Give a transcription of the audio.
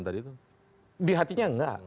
di hatinya tidak